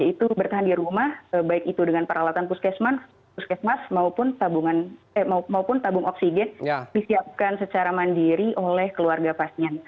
itu bertahan di rumah baik itu dengan peralatan puskesmas maupun tabung oksigen disiapkan secara mandiri oleh keluarga pasien